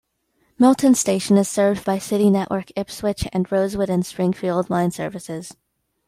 Milton station is served by City network Ipswich and Rosewood and Springfield line services.